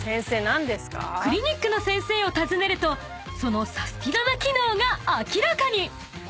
［クリニックの先生を尋ねるとそのサスティなな機能が明らかに］